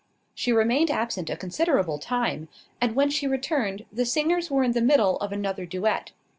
She remained absent a considerable time; and when she returned, the singers were in the middle of another duet.